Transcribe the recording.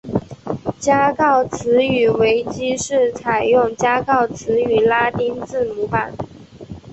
加告兹语维基是采用加告兹语拉丁字母版。